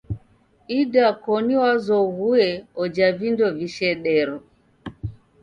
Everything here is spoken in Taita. Idakoni wazoghue oja vindo vishedero.